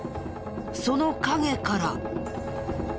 その陰から。